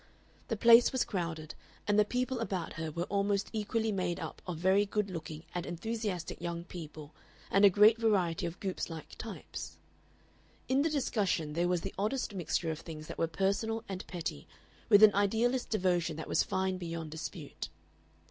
The place was crowded, and the people about her were almost equally made up of very good looking and enthusiastic young people and a great variety of Goopes like types. In the discussion there was the oddest mixture of things that were personal and petty with an idealist devotion that was fine beyond dispute.